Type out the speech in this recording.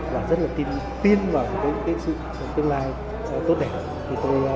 và rất là tin vào những cái sự tương lai tốt đẹp